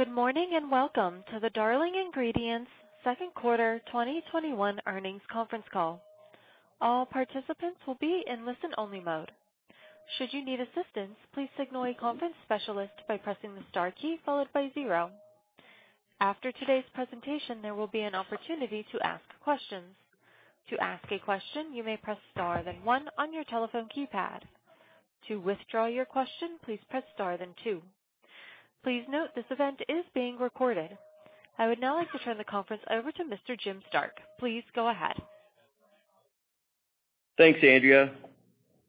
Should you need assistance, please signal a conference specialist by pressing the star key, followed by zero. After today's presentation, there will be an opportunity to ask questions. To ask a question, you may press star, then one on your telephone keypad. To withdraw your question, please press star, then two. I would now like to turn the conference over to Mr. Jim Stark. Please go ahead. Thanks, Andrea.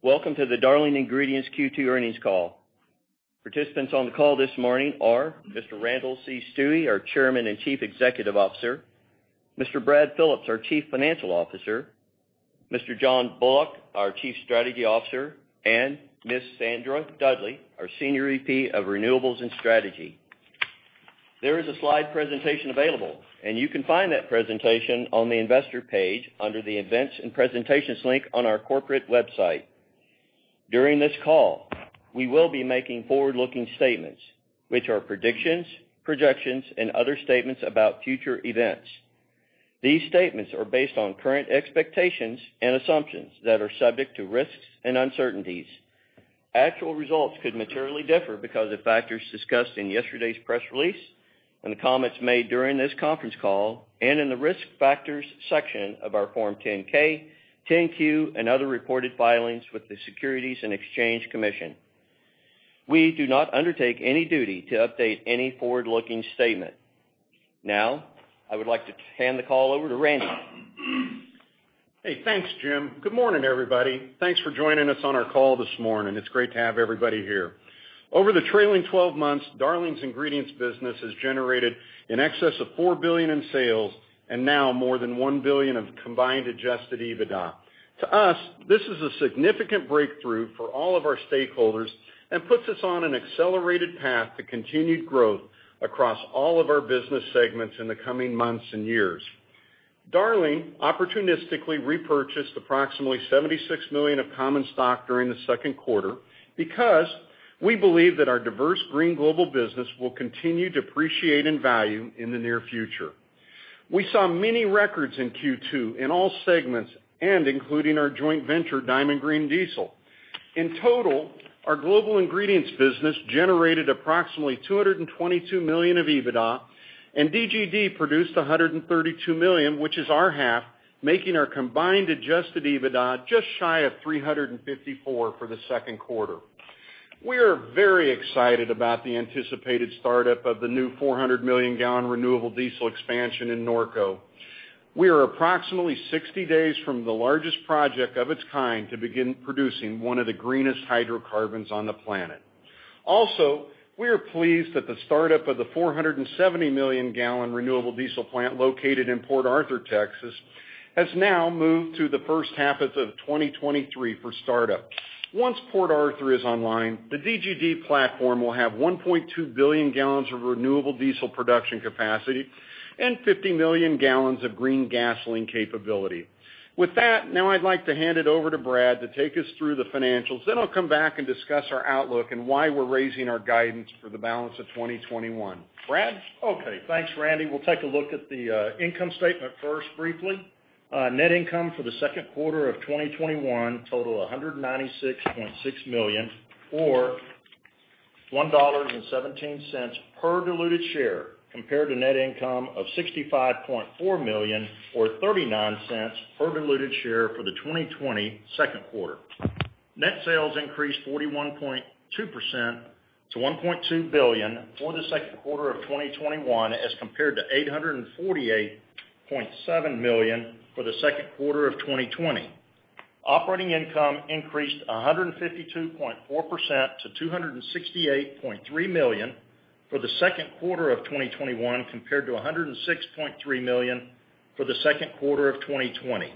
Welcome to the Darling Ingredients Q2 earnings call. Participants on the call this morning are Mr. Randall C. Stuewe, our Chairman and Chief Executive Officer, Mr. Brad Phillips, our Chief Financial Officer, Mr. John Bullock, our Chief Strategy Officer, and Ms. Sandra Dudley, our Senior VP of Renewables and Strategy. There is a slide presentation available, and you can find that presentation on the investor page under the events and presentations link on our corporate website. During this call, we will be making forward-looking statements, which are predictions, projections, and other statements about future events. These statements are based on current expectations and assumptions that are subject to risks and uncertainties. Actual results could materially differ because of factors discussed in yesterday's press release, and the comments made during this conference call, and in the Risk Factors section of our Form 10-K, 10-Q, and other reported filings with the Securities and Exchange Commission. We do not undertake any duty to update any forward-looking statement. I would like to hand the call over to Randy. Hey, thanks, Jim. Good morning, everybody. Thanks for joining us on our call this morning. It's great to have everybody here. Over the trailing 12 months, Darling Ingredients business has generated in excess of $4 billion in sales, and now more than $1 billion of combined adjusted EBITDA. To us, this is a significant breakthrough for all of our stakeholders and puts us on an accelerated path to continued growth across all of our business segments in the coming months and years. Darling opportunistically repurchased approximately $76 million of common stock during the second quarter because we believe that our diverse, green, global business will continue to appreciate in value in the near future. We saw many records in Q2 in all segments and including our joint venture, Diamond Green Diesel. In total, our global Ingredients business generated approximately $222 million of EBITDA, and DGD produced $132 million, which is our half, making our combined adjusted EBITDA just shy of $354 million for the second quarter. We are very excited about the anticipated startup of the new 400 million gal renewable diesel expansion in Norco. We are approximately 60 days from the largest project of its kind to begin producing one of the greenest hydrocarbons on the planet. We are pleased that the startup of the 470 million gal renewable diesel plant located in Port Arthur, Texas, has now moved to the first half of 2023 for startup. Once Port Arthur is online, the DGD platform will have 1.2 billion gal of renewable diesel production capacity and 50 million gal of green gasoline capability. With that, now I'd like to hand it over to Brad to take us through the financials. I'll come back and discuss our outlook and why we're raising our guidance for the balance of 2021. Brad? Okay. Thanks, Randy. We'll take a look at the income statement first, briefly. Net income for the second quarter of 2021 total $196.6 million or $1.17 per diluted share, compared to net income of $65.4 million, or $0.39 per diluted share for the 2020 second quarter. Net sales increased 41.2% to $1.2 billion for the second quarter of 2021 as compared to $848.7 million for the second quarter of 2020. Operating income increased 152.4% to $268.3 million for the second quarter of 2021, compared to $106.3 million for the second quarter of 2020.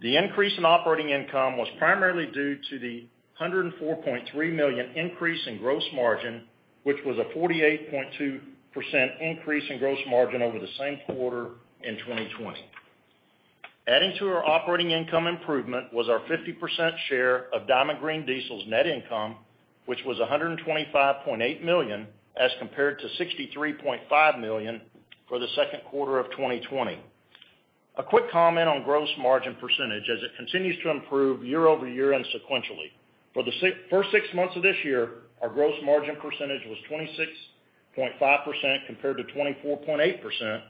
The increase in operating income was primarily due to the $104.3 million increase in gross margin, which was a 48.2% increase in gross margin over the same quarter in 2020. Adding to our operating income improvement was our 50% share of Diamond Green Diesel's net income, which was $125.8 million as compared to $63.5 million for the second quarter of 2020. A quick comment on gross margin percentage as it continues to improve year-over-year and sequentially. For the first six months of this year, our gross margin percentage was 26.5% compared to 24.8%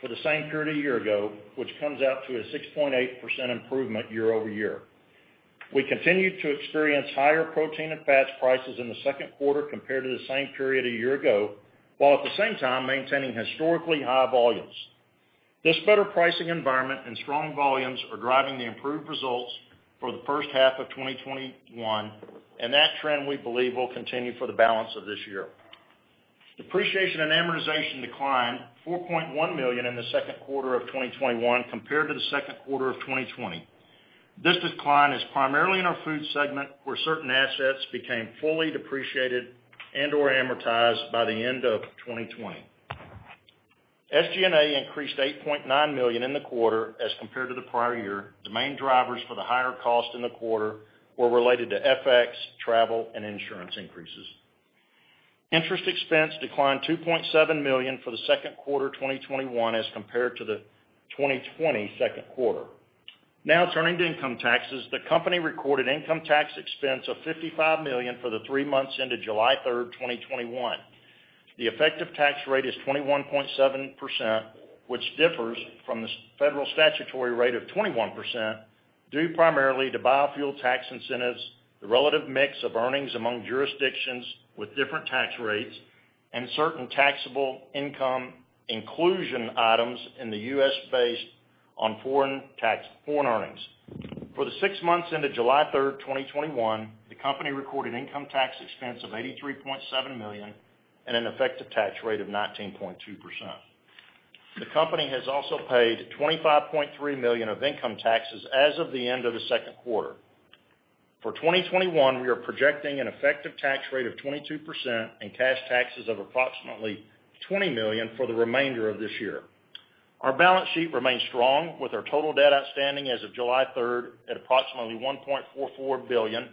for the same period a year ago, which comes out to a 6.8% improvement year-over-year. We continued to experience higher protein and fats prices in the second quarter compared to the same period a year ago, while at the same time maintaining historically high volumes. This better pricing environment and strong volumes are driving the improved results for the first half of 2021, and that trend, we believe, will continue for the balance of this year. Depreciation and amortization declined $4.1 million in the second quarter of 2021 compared to the second quarter of 2020. This decline is primarily in our Foods segment, where certain assets became fully depreciated and/or amortized by the end of 2020. SG&A increased $8.9 million in the quarter as compared to the prior year. The main drivers for the higher cost in the quarter were related to FX, travel, and insurance increases. Interest expense declined $2.7 million for the second quarter 2021 as compared to the 2020 second quarter. Turning to income taxes. The company recorded income tax expense of $55 million for the three months into July 3rd, 2021. The effective tax rate is 21.7%, which differs from the federal statutory rate of 21%, due primarily to biofuel tax incentives, the relative mix of earnings among jurisdictions with different tax rates, and certain taxable income inclusion items in the U.S. based on foreign earnings. For the six months into July 3rd, 2021, the company recorded income tax expense of $83.7 million and an effective tax rate of 19.2%. The company has also paid $25.3 million of income taxes as of the end of the second quarter. For 2021, we are projecting an effective tax rate of 22% and cash taxes of approximately $20 million for the remainder of this year. Our balance sheet remains strong with our total debt outstanding as of July 3rd at approximately $1.44 billion,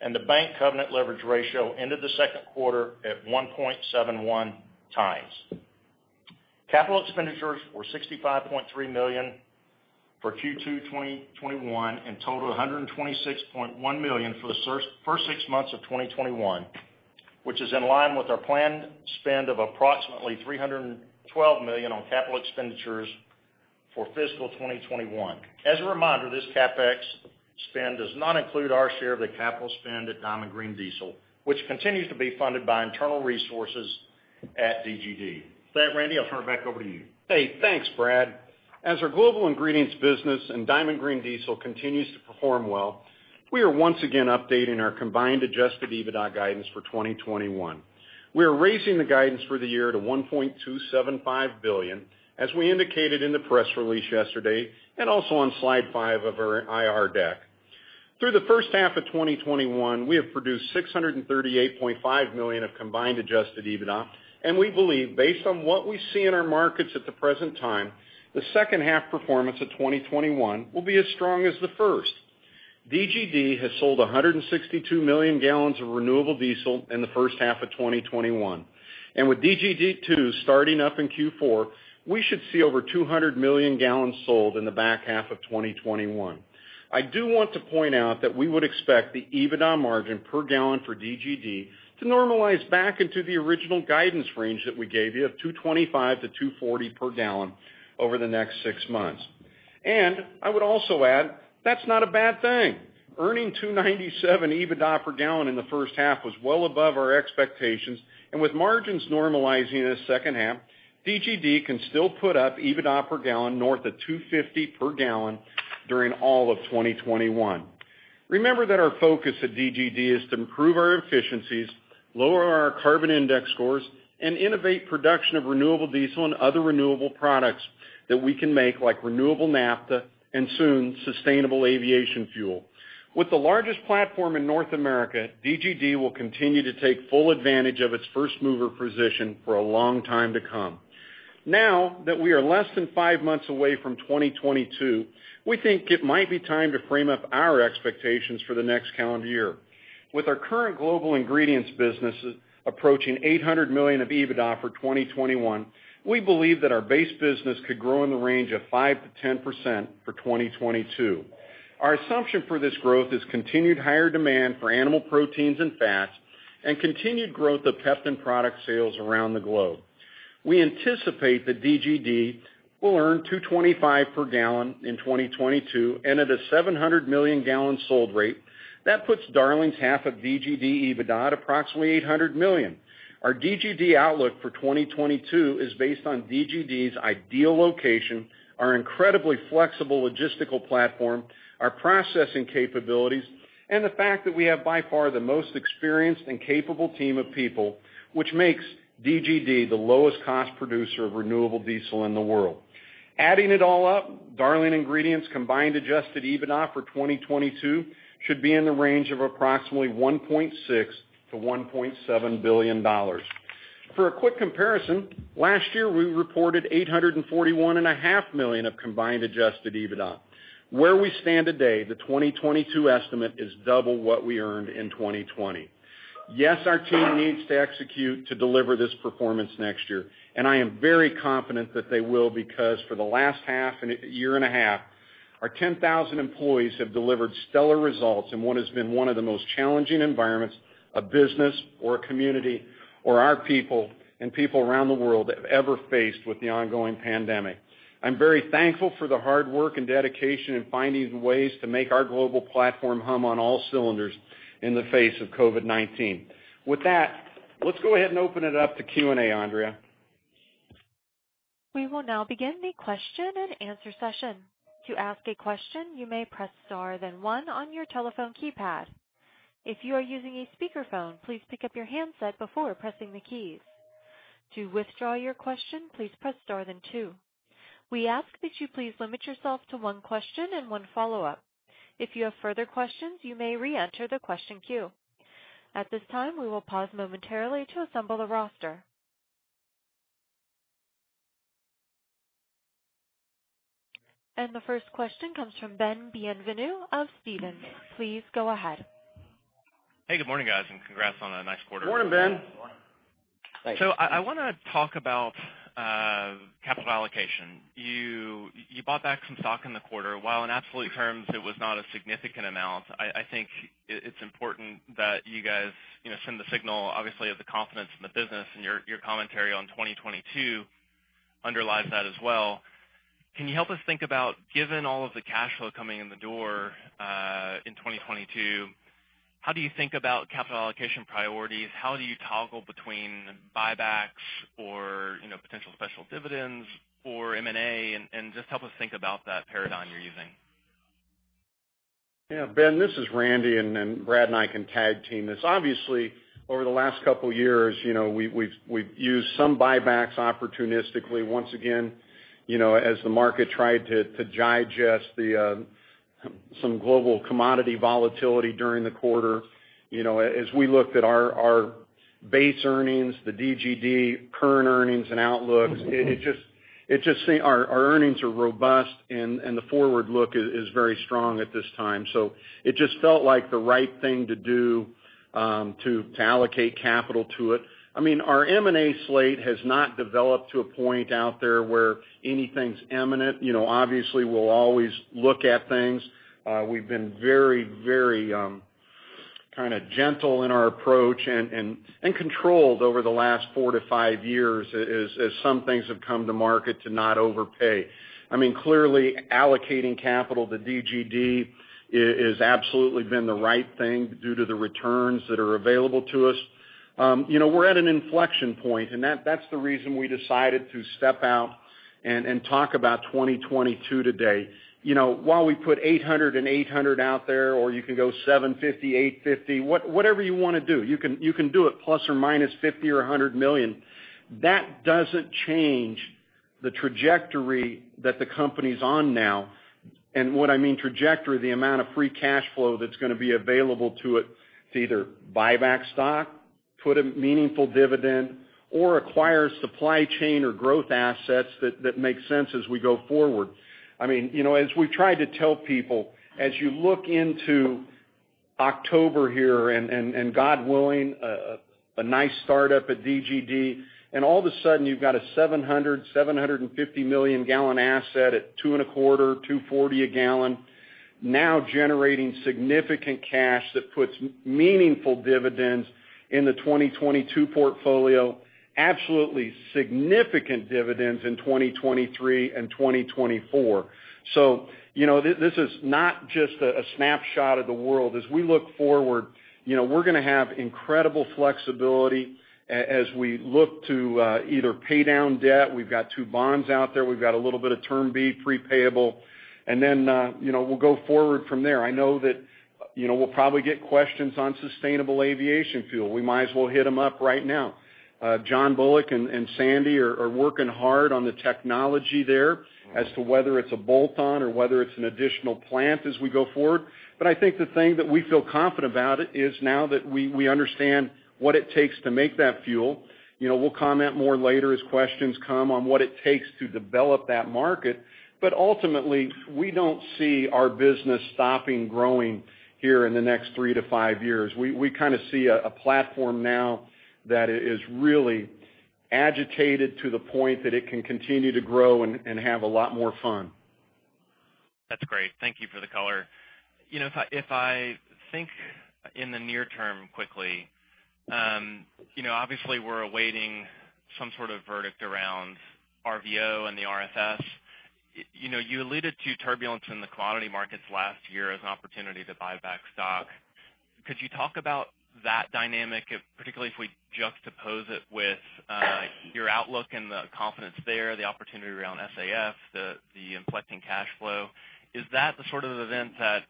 and the bank covenant leverage ratio ended the second quarter at 1.71x. Capital expenditures were $65.3 million for Q2 2021 and total $126.1 million for the first six months of 2021, which is in line with our planned spend of approximately $312 million on capital expenditures for fiscal 2021. As a reminder, this CapEx spend does not include our share of the capital spend at Diamond Green Diesel, which continues to be funded by internal resources at DGD. With that, Randy, I'll turn it back over to you. Hey, thanks, Brad. As our Global Ingredients business and Diamond Green Diesel continues to perform well, we are once again updating our combined adjusted EBITDA guidance for 2021. We are raising the guidance for the year to $1.275 billion, as we indicated in the press release yesterday, and also on slide five of our IR deck. Through the first half of 2021, we have produced $638.5 million of combined adjusted EBITDA, and we believe, based on what we see in our markets at the present time, the second half performance of 2021 will be as strong as the first. DGD has sold 162 million gal of renewable diesel in the first half of 2021. With DGD II starting up in Q4, we should see over 200 million gal sold in the back half of 2021. I do want to point out that we would expect the EBITDA margin per gal for DGD to normalize back into the original guidance range that we gave you of $2.25-$2.40/gal over the next six months. I would also add, that's not a bad thing. Earning $2.97 EBITDA/gal in the first half was well above our expectations, and with margins normalizing in the second half, DGD can still put up EBITDA/gal north of $2.50/gal during all of 2021. Remember that our focus at DGD is to improve our efficiencies, lower our carbon index scores, and innovate production of renewable diesel and other renewable products that we can make, like renewable naphtha and soon, sustainable aviation fuel. With the largest platform in North America, DGD will continue to take full advantage of its first-mover position for a long time to come. Now, that we are less than five months away from 2022, we think it might be time to frame up our expectations for the next calendar year. With our current Global Ingredients Business approaching $800 million of EBITDA for 2021, we believe that our base business could grow in the range of 5%-10% for 2022. Our assumption for this growth is continued higher demand for animal proteins and fats, and continued growth of Peptan product sales around the globe. We anticipate that DGD will earn $2.25/gal in 2022 and at a 700 million gal sold rate, that puts Darling's half of DGD EBITDA at approximately $800 million. Our DGD outlook for 2022 is based on DGD's ideal location, our incredibly flexible logistical platform, our processing capabilities, and the fact that we have by far the most experienced and capable team of people, which makes DGD the lowest cost producer of renewable diesel in the world. Adding it all up, Darling Ingredients' combined adjusted EBITDA for 2022 should be in the range of approximately $1.6 billion-$1.7 billion. For a quick comparison, last year, we reported $841.5 million of combined adjusted EBITDA. Where we stand today, the 2022 estimate is double what we earned in 2020. Yes, our team needs to execute to deliver this performance next year, and I am very confident that they will because for the last year and a half, our 10,000 employees have delivered stellar results in what has been one of the most challenging environments a business or a community or our people and people around the world have ever faced with the ongoing pandemic. I'm very thankful for the hard work and dedication in finding ways to make our global platform hum on all cylinders in the face of COVID-19. With that, let's go ahead and open it up to Q&A, Andrea. We will now begin the question and answer session. To ask a question, you may press star then one on your telephone keypad. If you are using a speakerphone, please pick up your handset before pressing the keys. To withdraw your question, please press star then two. We ask that you please limit yourself to one question and one follow-up. If you have further questions, you may reenter the question queue At this time, we will pause momentarily to assemble the roster. The first question comes from Ben Bienvenu of Stephens. Please go ahead. Hey, good morning, guys, and congrats on a nice quarter. Morning, Ben. I want to talk about capital allocation. You bought back some stock in the quarter. While in absolute terms it was not a significant amount, I think it's important that you guys send the signal, obviously, of the confidence in the business and your commentary on 2022 underlies that as well. Can you help us think about, given all of the cash flow coming in the door in 2022, how do you think about capital allocation priorities? How do you toggle between buybacks or potential special dividends or M&A? Just help us think about that paradigm you're using. Yeah, Ben, this is Randy, and Brad and I can tag team this. Obviously, over the last couple of years, we've used some buybacks opportunistically. Once again, as the market tried to digest some global commodity volatility during the quarter, as we looked at our base earnings, the DGD current earnings and outlooks, our earnings are robust, and the forward look is very strong at this time. It just felt like the right thing to do to allocate capital to it. Our M&A slate has not developed to a point out there where anything's imminent. Obviously, we'll always look at things. We've been very gentle in our approach and controlled over the last four to five years as some things have come to market to not overpay. Clearly, allocating capital to DGD is absolutely been the right thing due to the returns that are available to us. We're at an inflection point, and that's the reason we decided to step out and talk about 2022 today. While we put $800 million and $800 million out there, or you can go $750 million, $850 million, whatever you want to do, you can do it plus or minus $50 million or $100 million. That doesn't change the trajectory that the company's on now. What I mean trajectory, the amount of free cash flow that's going to be available to it to either buy back stock, put a meaningful dividend, or acquire supply chain or growth assets that make sense as we go forward. As we've tried to tell people, as you look into October here, and God willing, a nice start up at DGD, and all of a sudden you've got a 700, 750 million gal asset at two and a quarter, $2.40 a gal, now generating significant cash that puts meaningful dividends in the 2022 portfolio. Absolutely significant dividends in 2023 and 2024. This is not just a snapshot of the world. As we look forward, we're going to have incredible flexibility as we look to either pay down debt. We've got two bonds out there. We've got a little bit of term B pre-payable, we'll go forward from there. I know that we'll probably get questions on sustainable aviation fuel. We might as well hit them up right now. John Bullock and Sandy are working hard on the technology there as to whether it's a bolt-on or whether it's an additional plant as we go forward. I think the thing that we feel confident about it is now that we understand what it takes to make that fuel. We'll comment more later as questions come on what it takes to develop that market. Ultimately, we don't see our business stopping growing here in the next three to five years. We kind of see a platform now that is really agitated to the point that it can continue to grow and have a lot more fun. That's great. Thank you for the color. If I think in the near term quickly, obviously we're awaiting some sort of verdict around RVO and the RFS. You alluded to turbulence in the commodity markets last year as an opportunity to buy back stock. Could you talk about that dynamic, particularly if we juxtapose it with your outlook and the confidence there, the opportunity around SAF, the inflecting cash flow? Is that the sort of event that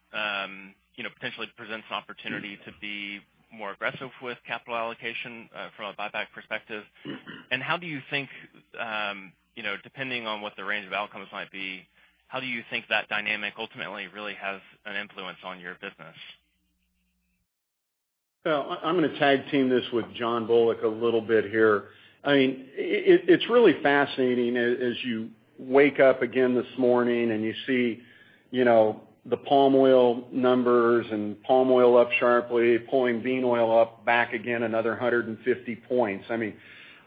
potentially presents an opportunity to be more aggressive with capital allocation from a buyback perspective? And how do you think, depending on what the range of outcomes might be, how do you think that dynamic ultimately really has an influence on your business? I'm going to tag team this with John Bullock a little bit here. It's really fascinating as you wake up again this morning and you see the palm oil numbers and palm oil up sharply, pulling bean oil up back again another 150 points.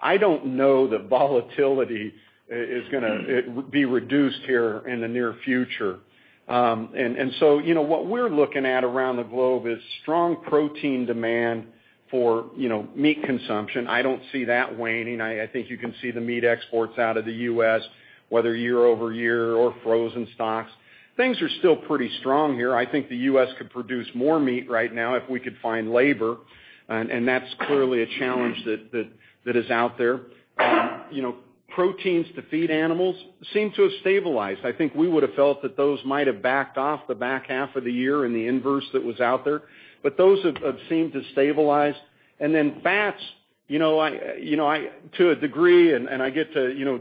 I don't know that volatility is going to be reduced here in the near future. What we're looking at around the globe is strong protein demand for meat consumption. I don't see that waning. I think you can see the meat exports out of the U.S., whether year-over-year or frozen stocks. Things are still pretty strong here. I think the U.S. could produce more meat right now if we could find labor, and that's clearly a challenge that is out there. Proteins to feed animals seem to have stabilized. I think we would have felt that those might have backed off the back half of the year in the inverse that was out there, but those have seemed to stabilize. Then fats, to a degree, and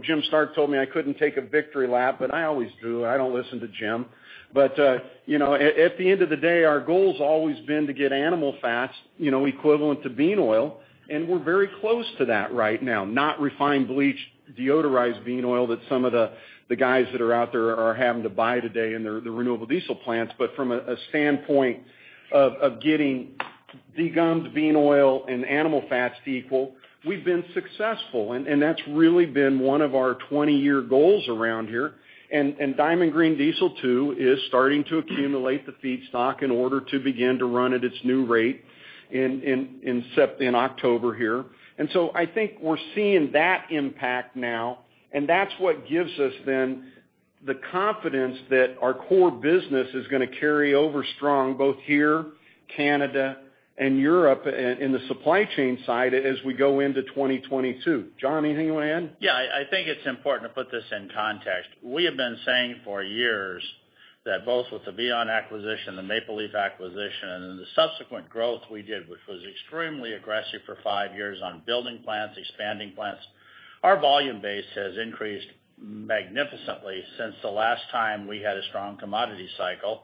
Jim Stark told me I couldn't take a victory lap, but I always do. I don't listen to Jim. At the end of the day, our goal has always been to get animal fats equivalent to bean oil, and we're very close to that right now. Not refined, bleached, deodorized bean oil that some of the guys that are out there are having to buy today in their renewable diesel plants, but from a standpoint of getting degummed bean oil and animal fats to equal, we've been successful, and that's really been one of our 20-year goals around here. Diamond Green Diesel too is starting to accumulate the feedstock in order to begin to run at its new rate in October here. I think we're seeing that impact now, and that's what gives us then the confidence that our core business is going to carry over strong, both here, Canada, and Europe in the supply chain side as we go into 2022. John, anything you want to add? Yeah, I think it's important to put this in context. We have been saying for years that both with the VION acquisition, the Maple Leaf acquisition, and then the subsequent growth we did, which was extremely aggressive for 5 years on building plants, expanding plants. Our volume base has increased magnificently since the last time we had a strong commodity cycle.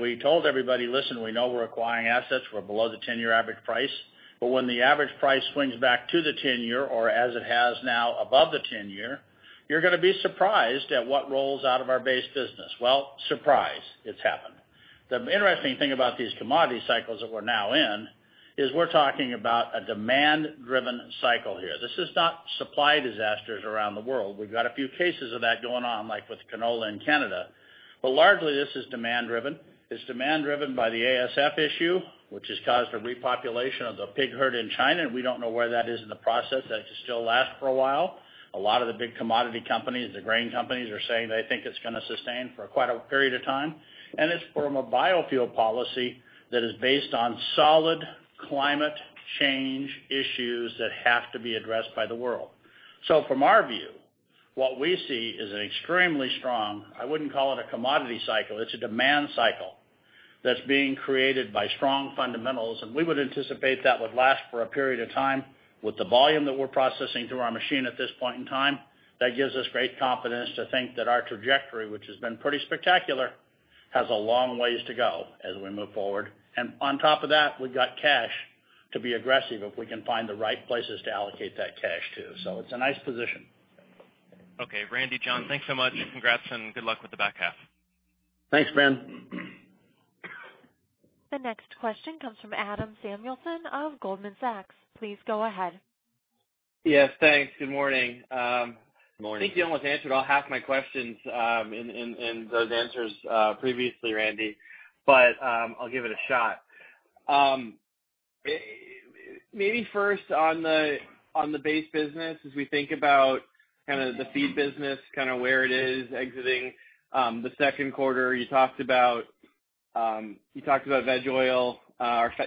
We told everybody, "Listen, we know we're acquiring assets. We're below the 10-year average price. When the average price swings back to the 10-year, or as it has now above the 10-year, you're going to be surprised at what rolls out of our base business." Well, surprise, it's happened. The interesting thing about these commodity cycles that we're now in is we're talking about a demand-driven cycle here. This is not supply disasters around the world. We've got a few cases of that going on, like with canola in Canada. Largely, this is demand driven. It's demand driven by the ASF issue, which has caused a repopulation of the pig herd in China, and we don't know where that is in the process. That could still last for a while. A lot of the big commodity companies, the grain companies, are saying they think it's going to sustain for quite a period of time. It's from a biofuel policy that is based on solid climate change issues that have to be addressed by the world. From our view, what we see is an extremely strong, I wouldn't call it a commodity cycle, it's a demand cycle that's being created by strong fundamentals. We would anticipate that would last for a period of time. With the volume that we're processing through our machine at this point in time, that gives us great confidence to think that our trajectory, which has been pretty spectacular, has a long ways to go as we move forward. On top of that, we've got cash to be aggressive if we can find the right places to allocate that cash too. It's a nice position. Okay. Randy, John, thanks so much. Congrats and good luck with the back half. Thanks, Ben. The next question comes from Adam Samuelson of Goldman Sachs. Please go ahead. Yes, thanks. Good morning. Good morning. I think you almost answered all half my questions in those answers previously, Randy, but I'll give it a shot. Maybe first on the base business, as we think about the feed business, where it is exiting the second quarter, you talked about fat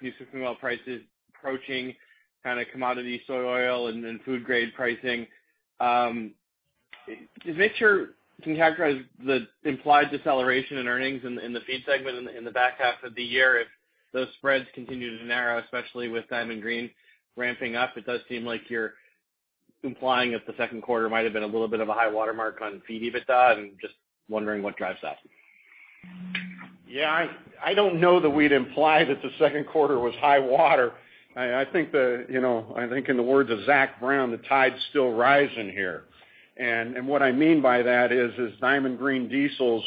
used cooking oil prices approaching commodity soy oil and then food grade pricing. Just make sure, can you characterize the implied deceleration in earnings in the feed segment in the back half of the year if those spreads continue to narrow, especially with Diamond Green ramping up? It does seem like you're implying that the second quarter might have been a little bit of a high watermark on feed EBITDA, and just wondering what drives that. Yeah. I don't know that we'd imply that the second quarter was high water. I think in the words of Zac Brown, the tide's still rising here. What I mean by that is Diamond Green Diesel's,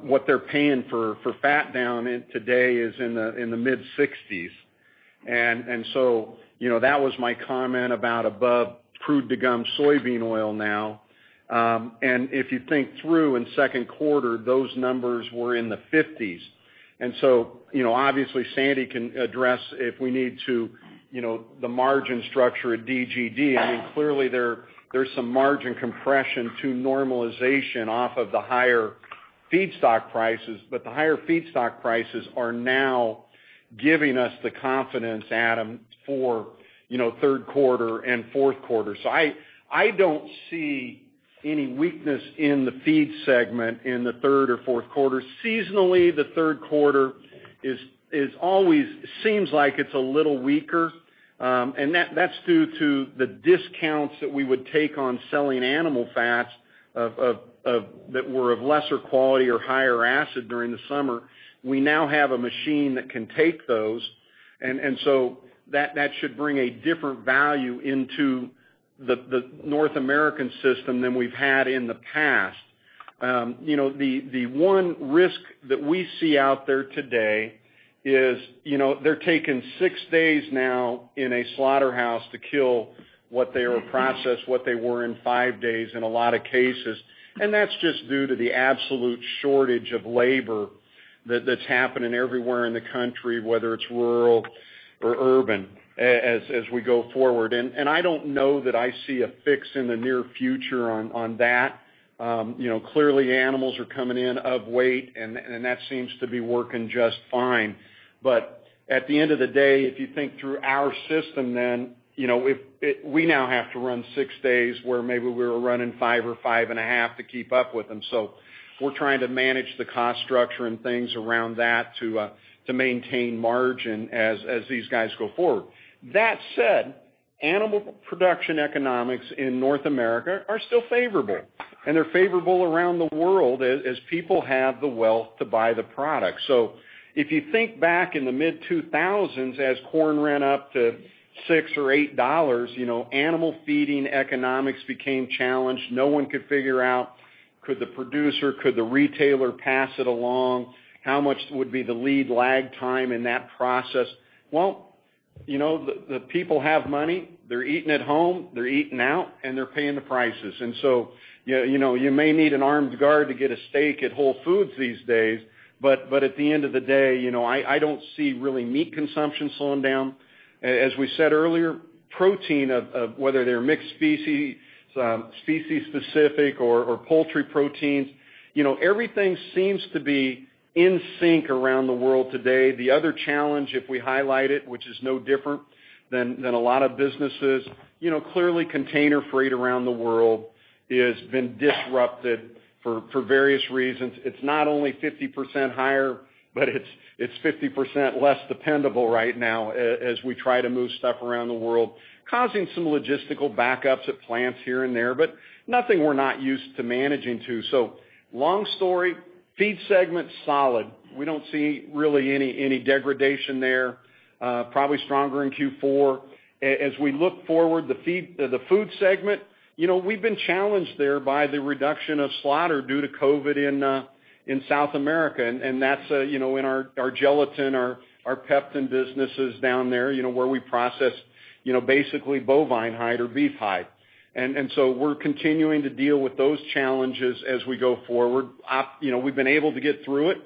what they're paying for fat down today is in the mid-60s. That was my comment about above crude degummed soybean oil now. If you think through in second quarter, those numbers were in the 50s. Obviously Sandy can address if we need to, the margin structure at DGD. Clearly there's some margin compression to normalization off of the higher feedstock prices, the higher feedstock prices are now giving us the confidence, Adam, for third quarter and fourth quarter. I don't see any weakness in the feed segment in the third or fourth quarter. Seasonally, the third quarter always seems like it's a little weaker. That's due to the discounts that we would take on selling animal fats that were of lesser quality or higher acid during the summer. We now have a machine that can take those, that should bring a different value into the North American system than we've had in the past. The one risk that we see out there today is they're taking six days now in a slaughterhouse to kill what they will process, what they were in five days in a lot of cases. That's just due to the absolute shortage of labor that's happening everywhere in the country, whether it's rural or urban as we go forward. I don't know that I see a fix in the near future on that. Clearly animals are coming in of weight, that seems to be working just fine. At the end of the day, if you think through our system, then we now have to run six days where maybe we were running five or 5.5 to keep up with them. We're trying to manage the cost structure and things around that to maintain margin as these guys go forward. That said, animal production economics in North America are still favorable, and they're favorable around the world as people have the wealth to buy the product. If you think back in the mid-2000s as corn ran up to $6 or $8, animal feeding economics became challenged. No one could figure out could the producer, could the retailer pass it along? How much would be the lead lag time in that process? Well, the people have money. They're eating at home, they're eating out, and they're paying the prices. You may need an armed guard to get a steak at Whole Foods these days, but at the end of the day, I don't see really meat consumption slowing down. As we said earlier, protein, whether they're mixed species specific or poultry proteins, everything seems to be in sync around the world today. The other challenge, if we highlight it, which is no different than a lot of businesses, clearly container freight around the world has been disrupted for various reasons. It's not only 50% higher, but it's 50% less dependable right now as we try to move stuff around the world, causing some logistical backups at plants here and there, but nothing we're not used to managing to. Long story, feed segment's solid. We don't see really any degradation there. Probably stronger in Q4. As we look forward, the Food segment, we've been challenged there by the reduction of slaughter due to COVID in South America, and that's in our gelatin, our Peptan businesses down there where we process basically bovine hide or beef hide. We're continuing to deal with those challenges as we go forward. We've been able to get through it,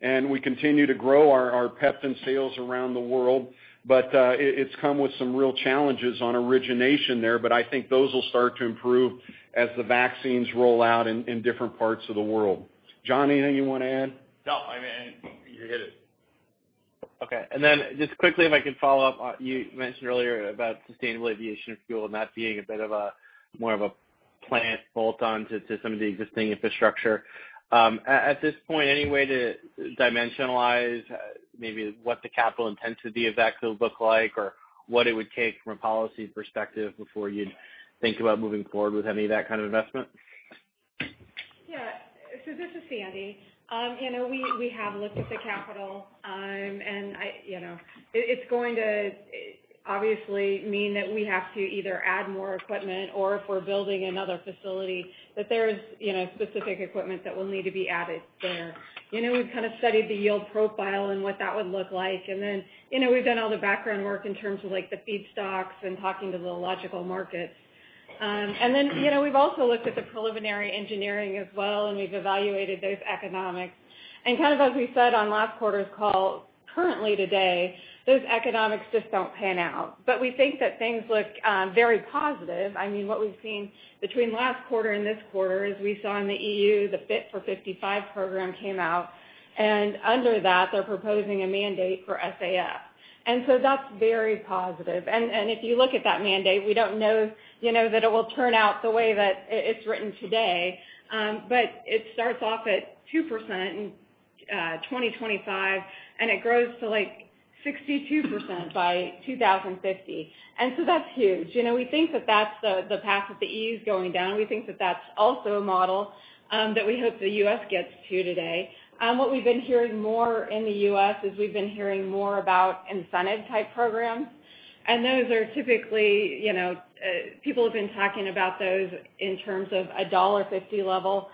and we continue to grow our Peptan sales around the world. It's come with some real challenges on origination there, but I think those will start to improve as the vaccines roll out in different parts of the world. John, anything you want to add? No, you hit it. Just quickly, if I could follow up. You mentioned earlier about sustainable aviation fuel and that being a bit of more of a plant bolt on to some of the existing infrastructure. At this point, any way to dimensionalize maybe what the capital intensity of that could look like or what it would take from a policy perspective before you'd think about moving forward with any of that kind of investment? This is Sandy. We have looked at the capital. It's going to obviously mean that we have to either add more equipment or if we're building another facility, that there's specific equipment that will need to be added there. We've kind of studied the yield profile and what that would look like. We've done all the background work in terms of the feedstocks and talking to the logical markets. We've also looked at the preliminary engineering as well, and we've evaluated those economics. Kind of as we said on last quarter's call, currently today, those economics just don't pan out. We think that things look very positive. What we've seen between last quarter and this quarter is we saw in the EU, the Fit for 55 program came out, and under that they're proposing a mandate for SAF. That's very positive. If you look at that mandate, we don't know that it will turn out the way that it's written today. It starts off at 2% in 2025, and it grows to like 62% by 2050. That's huge. We think that that's the path that the EU is going down. We think that that's also a model that we hope the U.S. gets to today. What we've been hearing more in the U.S. is we've been hearing more about incentive type programs. People have been talking about those in terms of a $1.50 level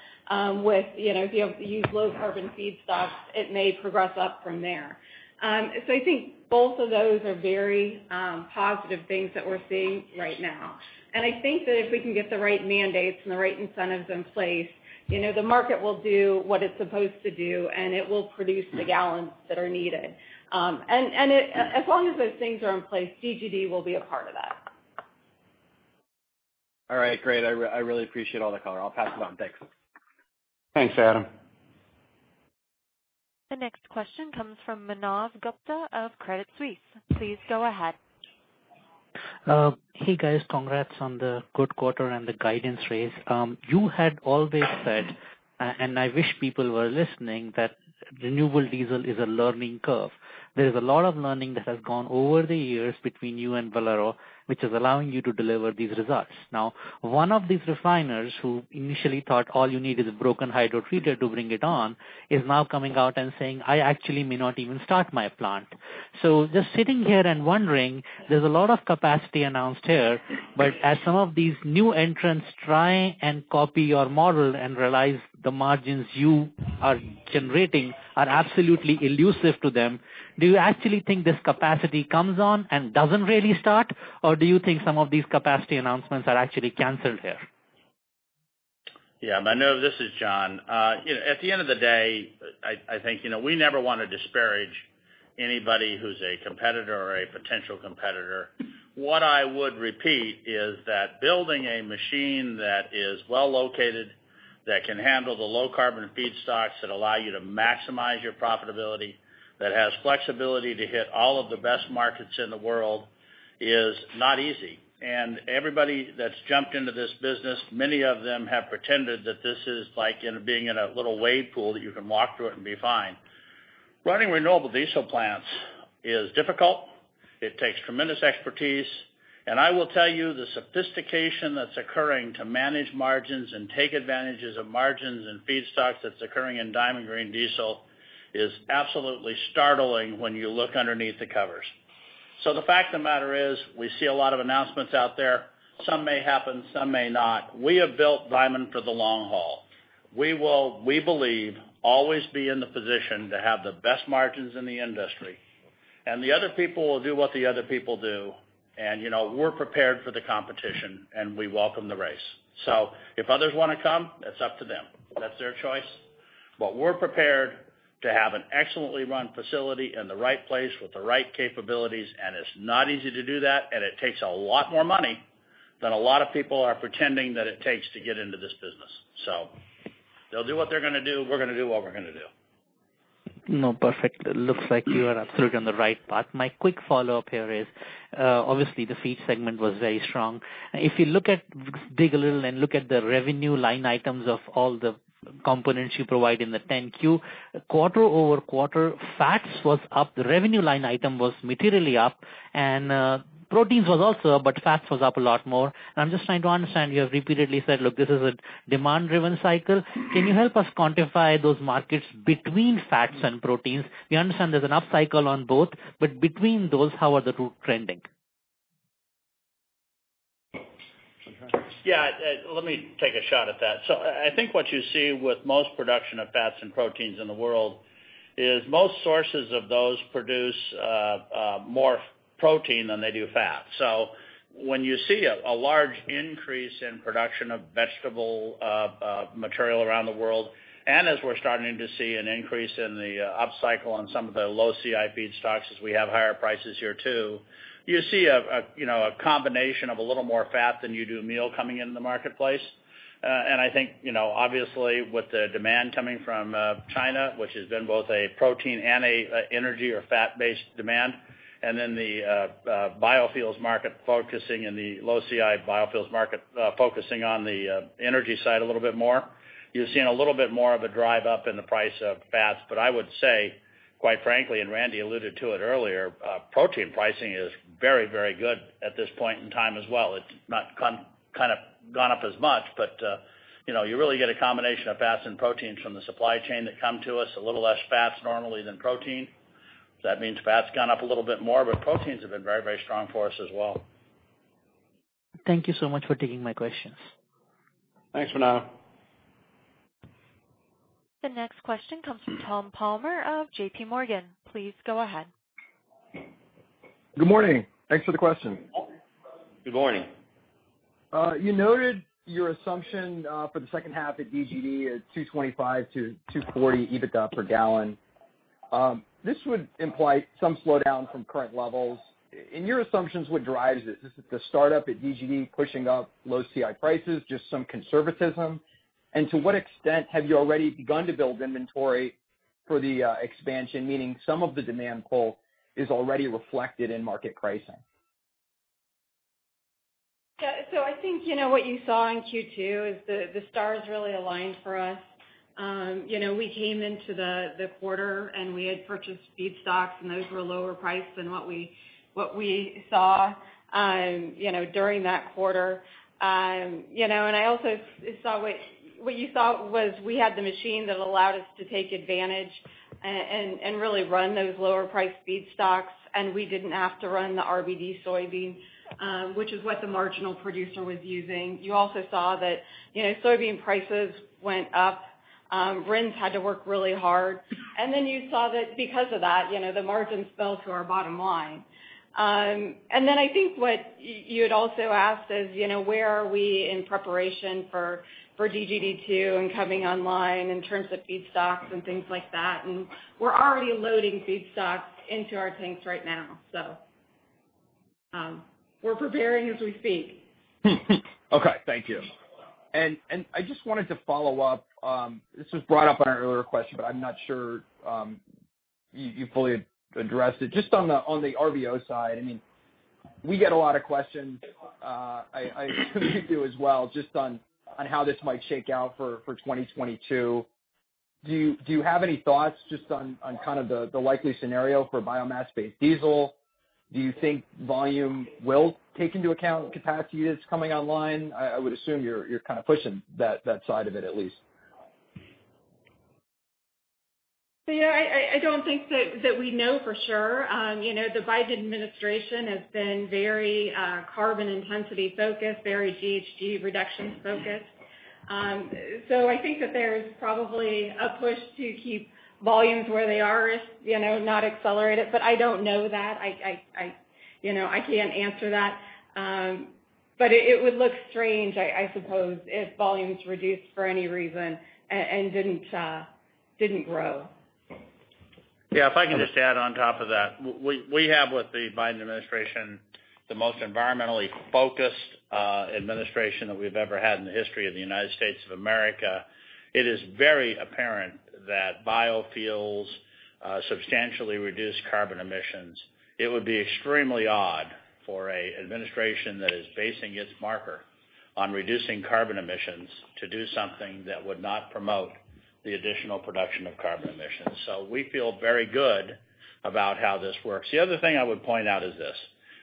with, if you use low carbon feedstocks, it may progress up from there. I think both of those are very positive things that we're seeing right now. I think that if we can get the right mandates and the right incentives in place, the market will do what it's supposed to do, and it will produce the gallons that are needed. As long as those things are in place, DGD will be a part of that. All right, great. I really appreciate all the color. I'll pass it on. Thanks. Thanks, Adam. The next question comes from Manav Gupta of Credit Suisse. Please go ahead. Hey, guys. Congrats on the good quarter and the guidance raise. You had always said, and I wish people were listening, that renewable diesel is a learning curve. There is a lot of learning that has gone over the years between you and Valero, which is allowing you to deliver these results. Now, one of these refiners who initially thought all you need is a broken hydrotreater to bring it on, is now coming out and saying, "I actually may not even start my plant." Just sitting here and wondering, there's a lot of capacity announced here, but as some of these new entrants try and copy your model and realize the margins you are generating are absolutely elusive to them, do you actually think this capacity comes on and doesn't really start? Or do you think some of these capacity announcements are actually canceled here? Yeah, Manav, this is John. At the end of the day, I think we never want to disparage anybody who's a competitor or a potential competitor. What I would repeat is that building a machine that is well located, that can handle the low carbon feedstocks, that allow you to maximize your profitability, that has flexibility to hit all of the best markets in the world, is not easy. Everybody that's jumped into this business, many of them have pretended that this is like being in a little wade pool that you can walk through it and be fine. Running renewable diesel plants is difficult. It takes tremendous expertise. I will tell you, the sophistication that's occurring to manage margins and take advantages of margins and feedstocks that's occurring in Diamond Green Diesel is absolutely startling when you look underneath the covers. The fact of the matter is, we see a lot of announcements out there. Some may happen, some may not. We have built Diamond for the long haul. We will, we believe, always be in the position to have the best margins in the industry. The other people will do what the other people do, and we're prepared for the competition, and we welcome the race. If others want to come, it's up to them. That's their choice. We're prepared to have an excellently run facility in the right place with the right capabilities. It's not easy to do that. It takes a lot more money than a lot of people are pretending that it takes to get into this business. They'll do what they're going to do. We're going to do what we're going to do. No, perfect. It looks like you are absolutely on the right path. My quick follow-up here is, obviously the feed segment was very strong. If you dig a little and look at the revenue line items of all the components you provide in the 10-Q, quarter-over-quarter, fats was up, the revenue line item was materially up, and proteins was also, but fats was up a lot more. I'm just trying to understand, you have repeatedly said, "Look, this is a demand-driven cycle." Can you help us quantify those markets between fats and proteins? We understand there's an upcycle on both, but between those, how are the two trending? Yeah. Let me take a shot at that. I think what you see with most production of fats and proteins in the world is most sources of those produce more protein than they do fat. When you see a large increase in production of vegetable material around the world, and as we're starting to see an increase in the upcycle on some of the low CI feedstocks, as we have higher prices here too, you see a combination of a little more fat than you do a meal coming into the marketplace. I think, obviously, with the demand coming from China, which has been both a protein and a energy or fat-based demand, and then the biofuels market focusing in the low CI biofuels market, focusing on the energy side a little bit more, you're seeing a little bit more of a drive up in the price of fats. I would say, quite frankly, and Randy alluded to it earlier, protein pricing is very, very good at this point in time as well. It's not gone up as much, but you really get a combination of fats and proteins from the supply chain that come to us, a little less fats normally than protein. That means fat's gone up a little bit more, but proteins have been very, very strong for us as well. Thank you so much for taking my questions. Thanks, Manav. The next question comes from Tom Palmer of J.P. Morgan. Please go ahead. Good morning. Thanks for the question. Good morning. You noted your assumption for the second half at DGD is $2.25-$2.40 EBITDA/gal. This would imply some slowdown from current levels. In your assumptions, what drives it? Is it the startup at DGD pushing up low CI prices? Just some conservatism? To what extent have you already begun to build inventory for the expansion, meaning some of the demand pull is already reflected in market pricing? I think what you saw in Q2 is the stars really aligned for us. We came into the quarter, and we had purchased feedstocks, and those were lower priced than what we saw during that quarter. What you saw was we had the machine that allowed us to take advantage and really run those lower priced feedstocks, and we didn't have to run the RBD soybean, which is what the marginal producer was using. You also saw that soybean prices went up. RINs had to work really hard. You saw that because of that, the margins fell to our bottom line. I think what you had also asked is, where are we in preparation for DGD 2 and coming online in terms of feedstocks and things like that, and we're already loading feedstocks into our tanks right now. We're preparing as we speak. Okay. Thank you. I just wanted to follow up. This was brought up on an earlier question, but I'm not sure you fully addressed it. Just on the RVO side, we get a lot of questions, I'm sure you do as well, just on how this might shake out for 2022. Do you have any thoughts just on the likely scenario for biomass-based diesel? Do you think volume will take into account capacity that's coming online? I would assume you're pushing that side of it at least. Yeah, I don't think that we know for sure. The Biden administration has been very carbon intensity focused, very GHG reduction focused. I think that there's probably a push to keep volumes where they are, not accelerate it. I don't know that. I can't answer that. It would look strange, I suppose, if volumes reduced for any reason and didn't grow. Yeah. If I can just add on top of that. We have with the Biden administration, the most environmentally focused administration that we've ever had in the history of the United States of America. It is very apparent that biofuels substantially reduce carbon emissions. It would be extremely odd for an administration that is basing its marker on reducing carbon emissions to do something that would not promote The additional production of carbon emissions. We feel very good about how this works. The other thing I would point out is this.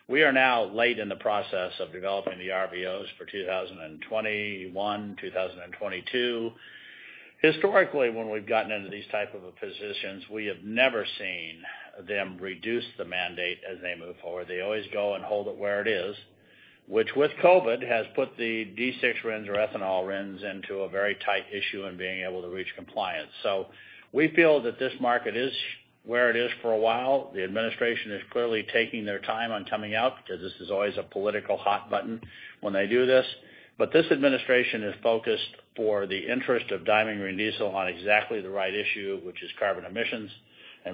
We are now late in the process of developing the RVOs for 2021, 2022. Historically, when we've gotten into these type of positions, we have never seen them reduce the mandate as they move forward. They always go and hold it where it is, which with COVID has put the D6 RINs or ethanol RINs into a very tight issue in being able to reach compliance. We feel that this market is where it is for a while. The administration is clearly taking their time on coming out because this is always a political hot button when they do this. This administration is focused for the interest of Darling biodiesel on exactly the right issue, which is carbon emissions.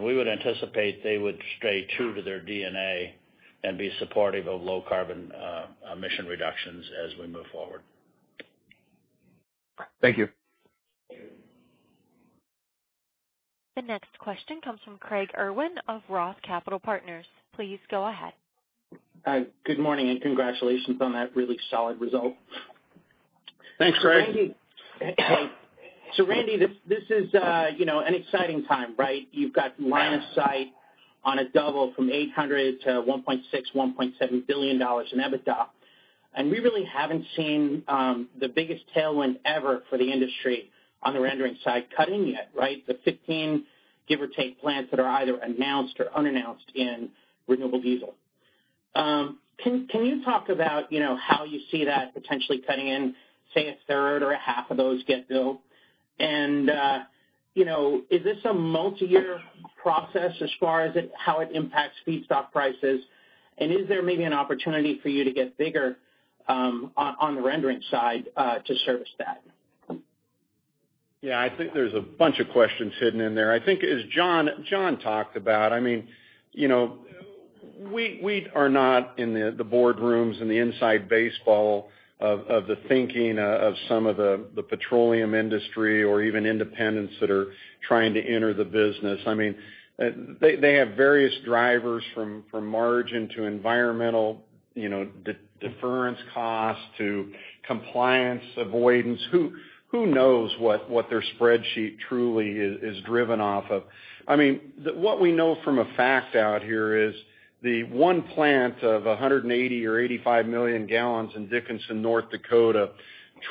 We would anticipate they would stay true to their DNA and be supportive of low carbon emission reductions as we move forward. Thank you. The next question comes from Craig Irwin of Roth Capital Partners. Please go ahead. Hi, good morning, and congratulations on that really solid result. Thanks, Craig. Randy, this is an exciting time, right? You've got line of sight on a double from $800 to $1.6 billion-$1.7 billion in EBITDA. We really haven't seen the biggest tailwind ever for the industry on the rendering side cutting yet, right? The 15, give or take, plants that are either announced or unannounced in renewable diesel. Can you talk about how you see that potentially cutting in, say, a third or a half of those get built? Is this a multi-year process as far as how it impacts feedstock prices? Is there maybe an opportunity for you to get bigger on the rendering side to service that? Yeah, I think there's a bunch of questions hidden in there. I think as John talked about, we are not in the boardrooms and the inside baseball of the thinking of some of the petroleum industry or even independents that are trying to enter the business. They have various drivers from margin to environmental deference costs to compliance avoidance. Who knows what their spreadsheet truly is driven off of. What we know from a fact out here is the one plant of 180 or 85 million gal in Dickinson, North Dakota,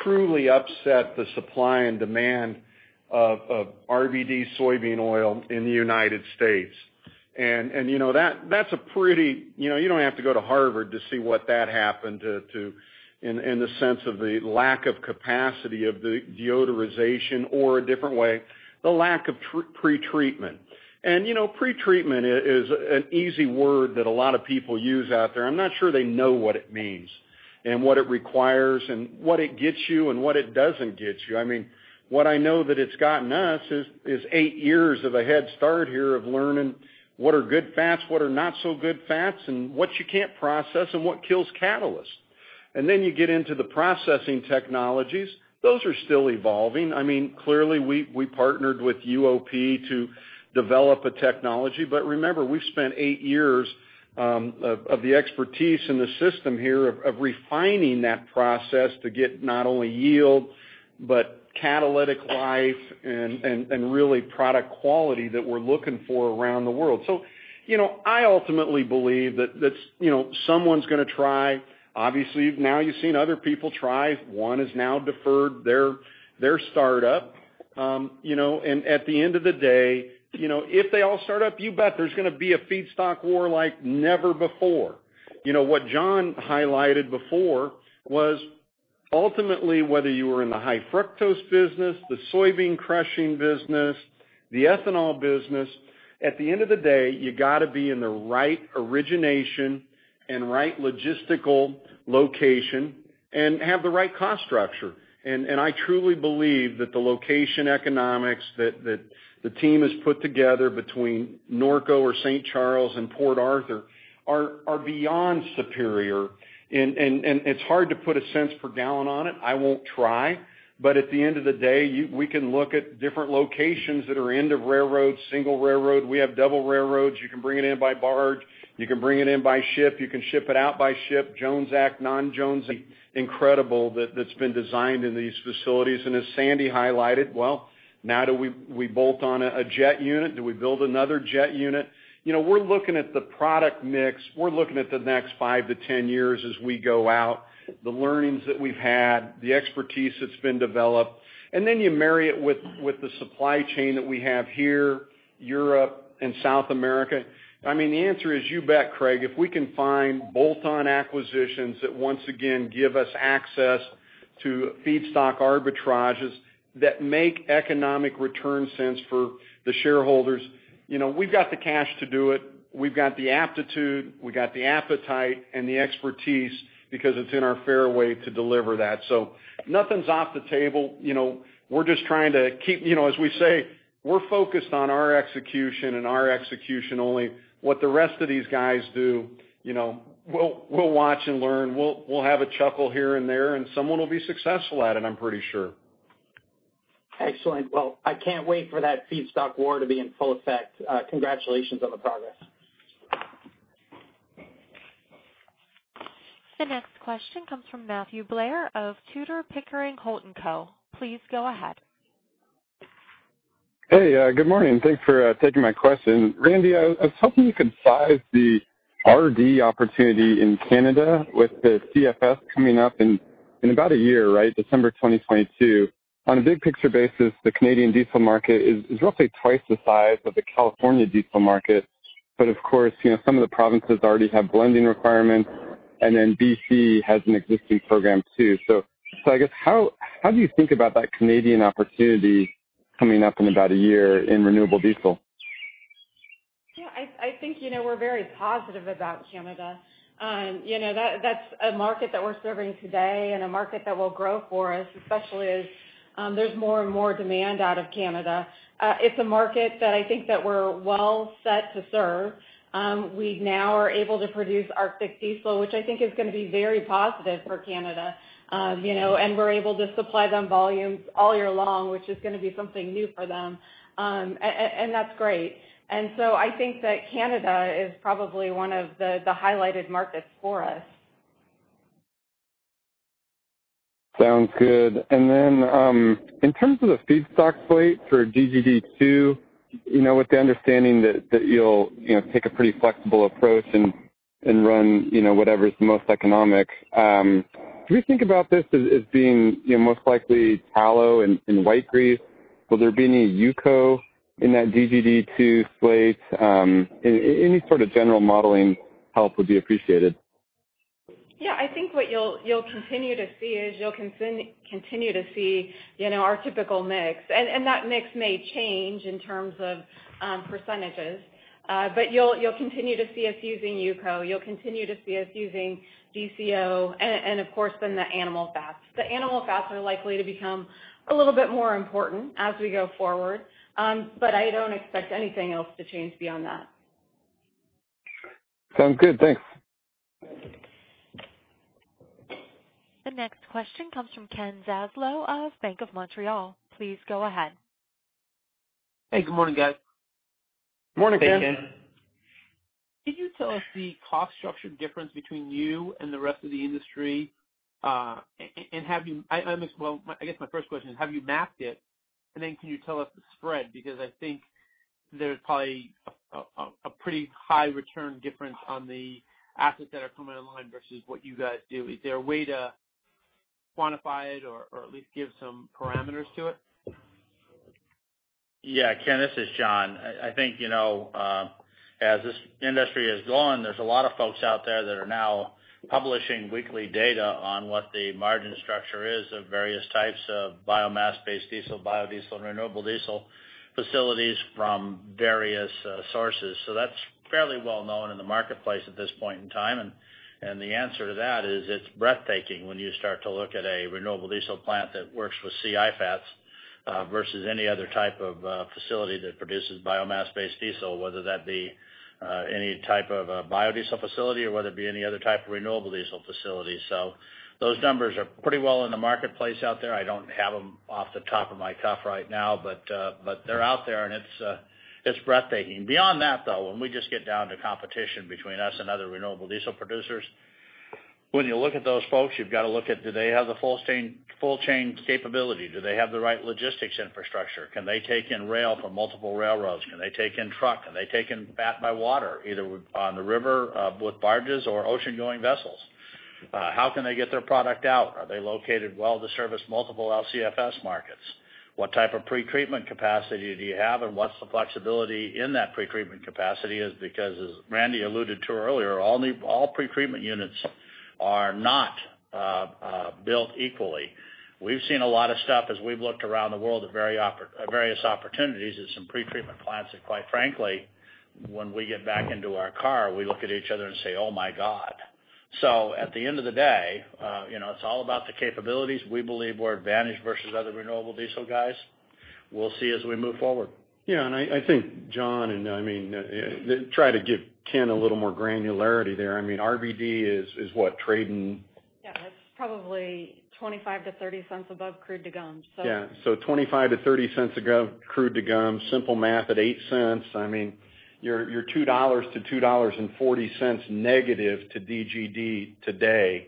truly upset the supply and demand of RBD soybean oil in the United States. You don't have to go to Harvard to see what that happened to in the sense of the lack of capacity of the deodorization or a different way, the lack of pretreatment. Pretreatment is an easy word that a lot of people use out there. I'm not sure they know what it means, and what it requires, and what it gets you and what it doesn't get you. What I know that it's gotten us is eight years of a head start here of learning what are good fats, what are not so good fats, and what you can't process, and what kills catalysts. You get into the processing technologies. Those are still evolving. Clearly, we partnered with UOP to develop a technology. Remember, we've spent eight years of the expertise in the system here of refining that process to get not only yield, but catalytic life and really product quality that we're looking for around the world. I ultimately believe that someone's going to try. Obviously, now you've seen other people try. One has now deferred their startup. At the end of the day, if they all start up, you bet there's gonna be a feedstock war like never before. What John highlighted before was ultimately whether you were in the high fructose business, the soybean crushing business, the ethanol business, at the end of the day, you got to be in the right origination and right logistical location and have the right cost structure. I truly believe that the location economics that the team has put together between Norco or St. Charles and Port Arthur are beyond superior. It's hard to put a cents per gallon on it. I won't try. At the end of the day, we can look at different locations that are end of railroad, single railroad. We have double railroads. You can bring it in by barge. You can bring it in by ship. You can ship it out by ship, Jones Act, non-Jones. Incredible that that's been designed in these facilities. As Sandy highlighted, well, now do we bolt on a jet unit? Do we build another jet unit? We're looking at the product mix. We're looking at the next five to ten years as we go out, the learnings that we've had, the expertise that's been developed. Then you marry it with the supply chain that we have here, Europe and South America. The answer is you bet, Craig. If we can find bolt-on acquisitions that once again give us access to feedstock arbitrages that make economic return sense for the shareholders, we've got the cash to do it. We've got the aptitude, we got the appetite and the expertise because it's in our fairway to deliver that. Nothing's off the table. As we say, we're focused on our execution and our execution only. What the rest of these guys do, we'll watch and learn. We'll have a chuckle here and there, and someone will be successful at it, I'm pretty sure. Excellent. I can't wait for that feedstock war to be in full effect. Congratulations on the progress. The next question comes from Matthew Blair of Tudor, Pickering, Holt & Co. Please go ahead. Hey, good morning. Thanks for taking my question. Randy, I was hoping you could size the RD opportunity in Canada with the CFS coming up in about one year, right? December 2022. On a big picture basis, the Canadian diesel market is roughly 2x the size of the California diesel market. Of course, some of the provinces already have blending requirements, and then B.C. has an existing program too. I guess, how do you think about that Canadian opportunity coming up in about one year in renewable diesel? Yeah, I think, we're very positive about Canada. That's a market that we're serving today and a market that will grow for us, especially as there's more and more demand out of Canada. It's a market that I think that we're well set to serve. We now are able to produce Arctic diesel, which I think is going to be very positive for Canada. We're able to supply them volumes all year long, which is going to be something new for them. That's great. I think that Canada is probably one of the highlighted markets for us. Sounds good. Then, in terms of the feedstock slate for DGD 2, with the understanding that you'll take a pretty flexible approach and run whatever's the most economic, do we think about this as being most likely tallow and white grease? Will there be any UCO in that DGD 2 slate? Any sort of general modeling help would be appreciated. Yeah, I think what you'll continue to see is you'll continue to see our typical mix. That mix may change in terms of percentages. You'll continue to see us using UCO. You'll continue to see us using UCO and of course, then the animal fats. The animal fats are likely to become a little bit more important as we go forward. I don't expect anything else to change beyond that. Sounds good. Thanks. The next question comes from Ken Zaslow of Bank of Montreal. Please go ahead. Hey, good morning, guys. Morning, Ken. Hey, Ken. Can you tell us the cost structure difference between you and the rest of the industry? I guess my first question is, have you mapped it? Can you tell us the spread? I think there's probably a pretty high return difference on the assets that are coming online versus what you guys do. Is there a way to quantify it or at least give some parameters to it? Yeah, Ken, this is John. I think, as this industry has gone, there's a lot of folks out there that are now publishing weekly data on what the margin structure is of various types of biomass-based diesel, biodiesel, and renewable diesel facilities from various sources. That's fairly well known in the marketplace at this point in time. The answer to that is it's breathtaking when you start to look at a renewable diesel plant that works with CI fats versus any other type of facility that produces biomass-based diesel, whether that be any type of a biodiesel facility or whether it be any other type of renewable diesel facility. Those numbers are pretty well in the marketplace out there. I don't have them off the top of my cuff right now, but they're out there and it's breathtaking. Beyond that, though, when we just get down to competition between us and other renewable diesel producers, when you look at those folks, you've got to look at, do they have the full chain capability? Do they have the right logistics infrastructure? Can they take in rail from multiple railroads? Can they take in truck? Can they take in fat by water, either on the river with barges or ocean-going vessels? How can they get their product out? Are they located well to service multiple LCFS markets? What type of pretreatment capacity do you have, and what's the flexibility in that pretreatment capacity is? As Randy alluded to earlier, all pretreatment units are not built equally. We've seen a lot of stuff as we've looked around the world at various opportunities at some pretreatment plants that, quite frankly, when we get back into our car, we look at each other and say, "Oh my God." At the end of the day, it's all about the capabilities. We believe we're advantaged versus other renewable diesel guys. We'll see as we move forward. I think, John, and I mean, try to give Ken a little more granularity there. I mean, RBD is what, trading? Yeah, it's probably $0.25-$0.30 above crude degummed. Yeah. $0.25-$0.30 above crude degummed. Simple math at $0.08. I mean, you're $2-$2.40 negative to DGD today.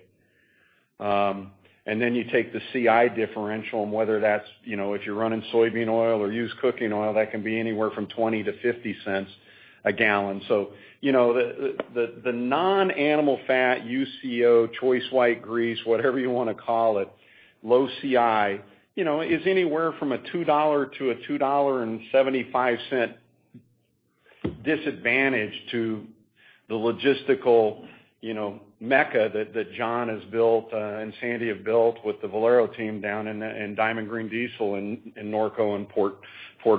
Then you take the CI differential and whether that's if you're running soybean oil or used cooking oil, that can be anywhere from $0.20-$0.50 a gal. The non-animal fat, UCO, choice white grease, whatever you want to call it, low CI, is anywhere from a $2-$2.75 disadvantage to the logistical mecca that John has built and Sandy have built with the Valero team down in Diamond Green Diesel in Norco, L.A. and Port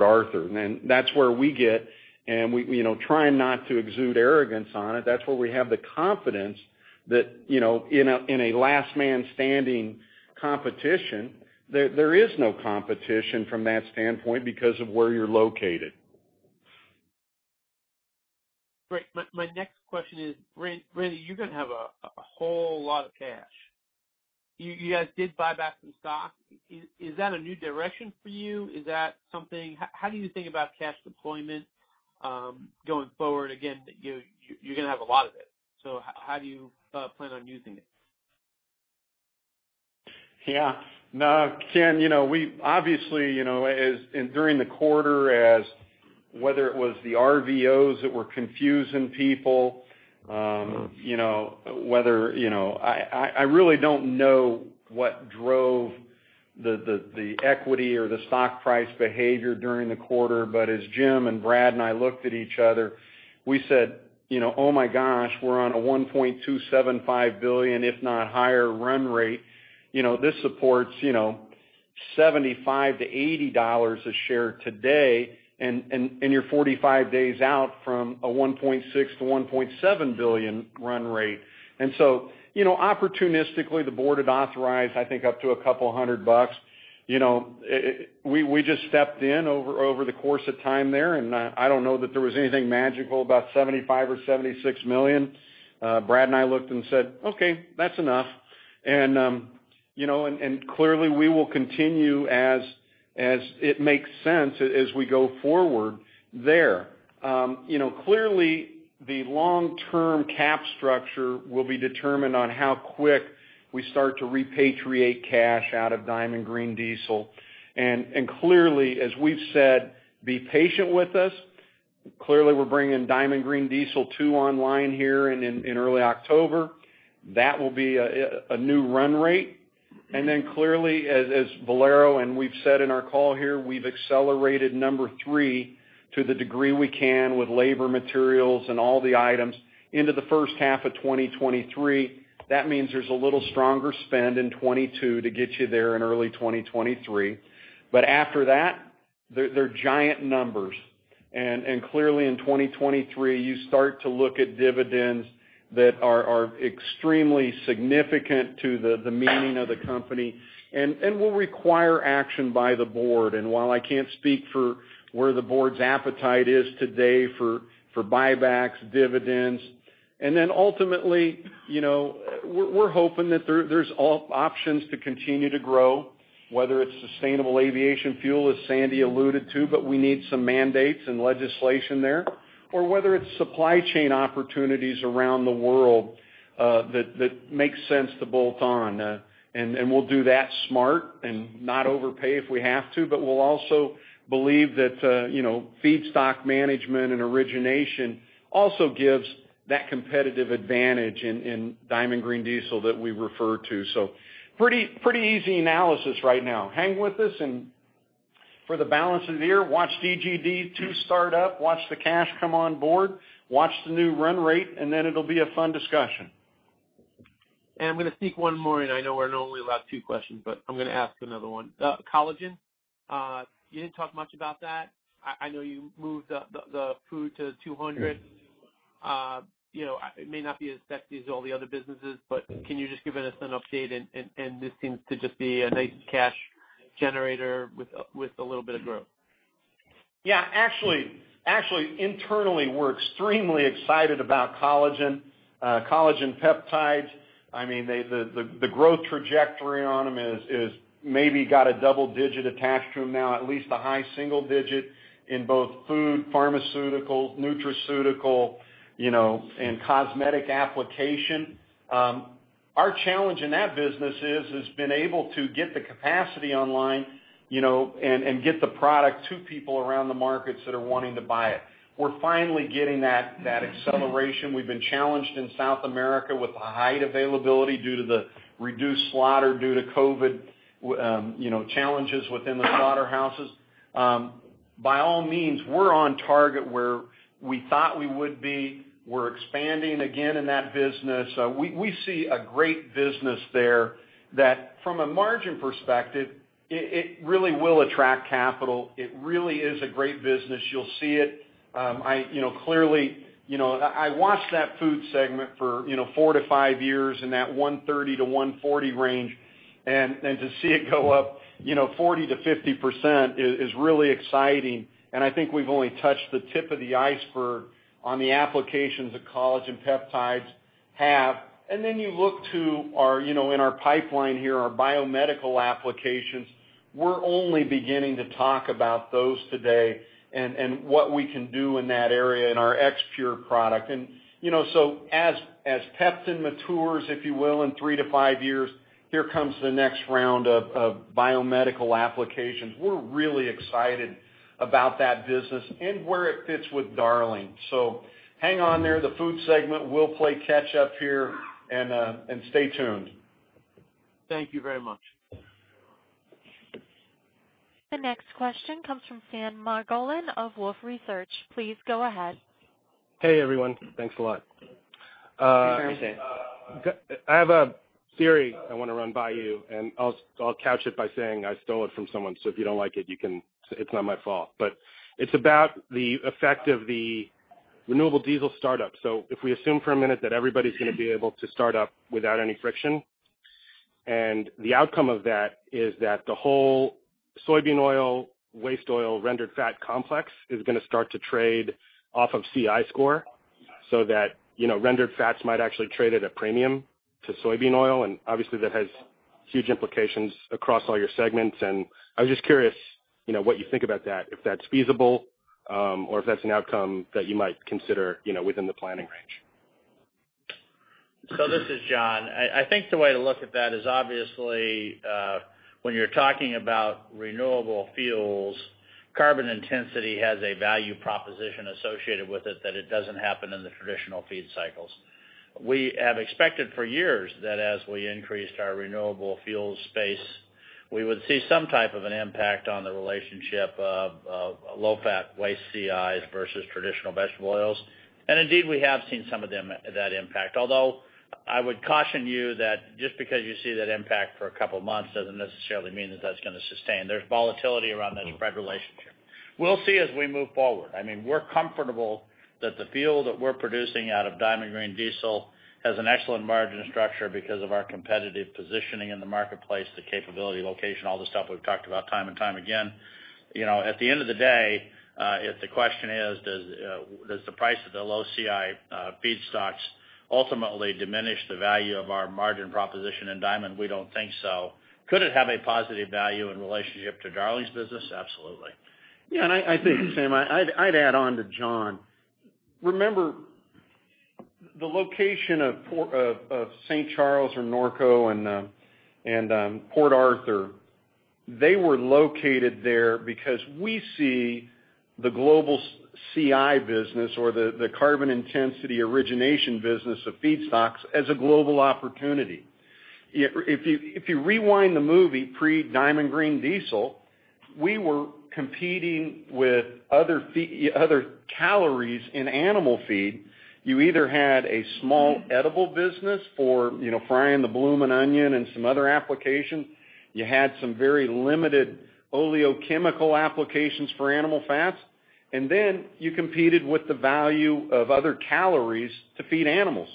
Arthur. That's where we get, and trying not to exude arrogance on it, that's where we have the confidence that in a last man standing competition, there is no competition from that standpoint because of where you're located. Great. My next question is, Randy, you're gonna have a whole lot of cash. You guys did buy back some stock. Is that a new direction for you? How do you think about cash deployment, going forward? Again, you're going to have a lot of it, so how do you plan on using it? No, Ken, obviously, during the quarter, whether it was the RVOs that were confusing people. I really don't know what drove the equity or the stock price behavior during the quarter. As Jim and Brad and I looked at each other, we said, "Oh my gosh, we're on a $1.275 billion, if not higher, run rate." This supports $75-$80 a share today. You're 45 days out from a $1.6 billion-$1.7 billion run rate. Opportunistically, the board had authorized, I think, up to a couple hundred dollars. We just stepped in over the course of time there. I don't know that there was anything magical about $75 million or $76 million. Brad and I looked and said, "Okay, that's enough." Clearly, we will continue as it makes sense as we go forward there. Clearly, the long-term cap structure will be determined on how quick we start to repatriate cash out of Diamond Green Diesel. Clearly, as we've said, be patient with us. Clearly, we're bringing Diamond Green Diesel 2 online here in early October. That will be a new run rate. Clearly, as Valero, and we've said in our call here, we've accelerated number three to the degree we can with labor materials and all the items into the first half of 2023. That means there's a little stronger spend in 2022 to get you there in early 2023. After that, they're giant numbers. Clearly in 2023, you start to look at dividends that are extremely significant to the meaning of the company, and will require action by the board. While I can't speak for where the board's appetite is today for buybacks, dividends, and then ultimately, we're hoping that there's options to continue to grow, whether it's sustainable aviation fuel, as Sandy alluded to, but we need some mandates and legislation there. Whether it's supply chain opportunities around the world that makes sense to bolt on. We'll do that smart and not overpay if we have to, but we'll also believe that feedstock management and origination also gives that competitive advantage in Diamond Green Diesel that we refer to. Pretty easy analysis right now. Hang with us and for the balance of the year, watch DGD II start up, watch the cash come on board, watch the new run rate, and then it'll be a fun discussion. I'm going to sneak one more in. I know we're only allowed two questions, but I'm going to ask another one. Collagen, you didn't talk much about that. I know you moved the food to $200. It may not be as sexy as all the other businesses, but can you just give us an update? This seems to just be a nice cash generator with a little bit of growth. Yeah. Actually, internally, we're extremely excited about collagen peptides. The growth trajectory on them is maybe got a double-digit attached to them now, at least a high single-digit in both food, pharmaceutical, nutraceutical, and cosmetic application. Our challenge in that business is has been able to get the capacity online, and get the product to people around the markets that are wanting to buy it. We're finally getting that acceleration. We've been challenged in South America with the hide availability due to the reduced slaughter due to COVID challenges within the slaughterhouses. By all means, we're on target where we thought we would be. We're expanding again in that business. We see a great business there, that from a margin perspective, it really will attract capital. It really is a great business. You'll see it. Clearly, I watched that food segment for four to five years in that 130 to 140 range, to see it go up 40%-50% is really exciting. I think we've only touched the tip of the iceberg on the applications that collagen peptides have. You look to in our pipeline here, our biomedical applications. We're only beginning to talk about those today and what we can do in that area in our X-Pure product. As Peptan matures, if you will, in three to five years, here comes the next round of biomedical applications. We're really excited about that business and where it fits with Darling. Hang on there, the food segment, we'll play catch up here and stay tuned. Thank you very much. The next question comes from Sam Margolin of Wolfe Research. Please go ahead. Hey, everyone. Thanks a lot. Hey, Sam. I have a theory I want to run by you, and I'll couch it by saying I stole it from someone, so if you don't like it's not my fault. It's about the effect of the renewable diesel startup. If we assume for a minute that everybody's going to be able to start up without any friction, and the outcome of that is that the whole soybean oil/waste oil/rendered fat complex is gonna start to trade off of CI score. That rendered fats might actually trade at a premium to soybean oil, and obviously that has huge implications across all your segments. I was just curious, what you think about that, if that's feasible, or if that's an outcome that you might consider within the planning range. This is John. I think the way to look at that is obviously, when you're talking about renewable fuels, carbon intensity has a value proposition associated with it that it doesn't happen in the traditional feed cycles. We have expected for years that as we increased our renewable fuel space, we would see some type of an impact on the relationship of low-fat waste CIs versus traditional vegetable oils. Indeed, we have seen some of that impact. Although I would caution you that just because you see that impact for a couple of months doesn't necessarily mean that that's going to sustain. There's volatility around that spread relationship. We'll see as we move forward. We're comfortable that the fuel that we're producing out of Diamond Green Diesel has an excellent margin structure because of our competitive positioning in the marketplace, the capability, location, all the stuff we've talked about time and time again. At the end of the day, if the question is, does the price of the low CI feedstocks ultimately diminish the value of our margin proposition in Diamond? We don't think so. Could it have a positive value in relationship to Darling's business? Absolutely. I think, Sam, I'd add on to John. Remember the location of St. Charles or Norco and Port Arthur, they were located there because we see the global CI business or the carbon intensity origination business of feedstocks as a global opportunity. If you rewind the movie pre Diamond Green Diesel, we were competing with other calories in animal feed. You either had a small edible business for frying the Bloomin' Onion and some other applications. You had some very limited oleochemical applications for animal fats, and then you competed with the value of other calories to feed animals.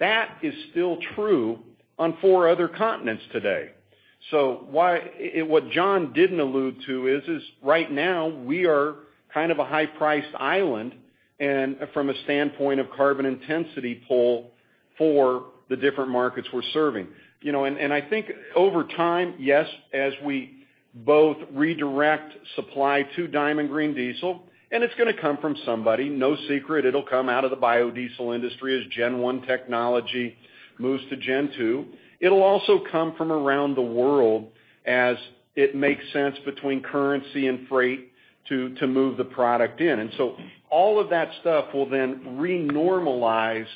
That is still true on four other continents today. What John didn't allude to is right now we are kind of a high-priced island and from a standpoint of carbon intensity pull for the different markets we're serving. I think over time, yes, as we both redirect supply to Diamond Green Diesel, and it's going to come from somebody, no secret, it'll come out of the biodiesel industry as 1st-gen technology moves to 2nd-gen. It'll also come from around the world as it makes sense between currency and freight to move the product in. All of that stuff will then re-normalize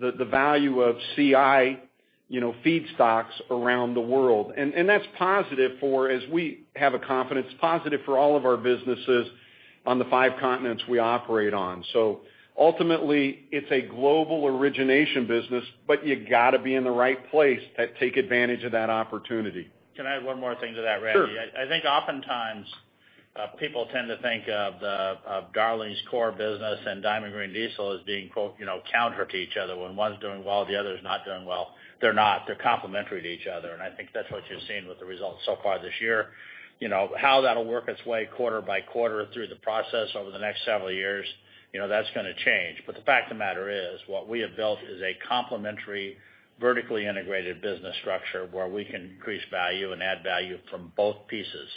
the value of CI feedstocks around the world. That's positive for as we have a confidence positive for all of our businesses on the five continents we operate on. Ultimately it's a global origination business, but you got to be in the right place to take advantage of that opportunity. Can I add one more thing to that, Randy? Sure. I think oftentimes, people tend to think of Darling Ingredients' core business and Diamond Green Diesel as being quote, "counter to each other." When one's doing well, the other's not doing well. They're not. They're complementary to each other. I think that's what you've seen with the results so far this year. How that'll work its way quarter by quarter through the process over the next several years, that's gonna change. The fact of the matter is, what we have built is a complementary, vertically integrated business structure where we can increase value and add value from both pieces.